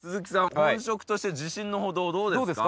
本職として自信の程はどうですか？